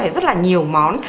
rất là nhiều món